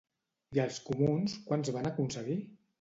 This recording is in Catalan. I els comuns quants van aconseguir?